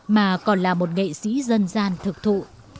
mà còn là một nghệ sĩ dân gian thực thụ